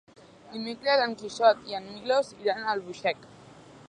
Dimecres en Quixot i en Milos iran a Albuixec.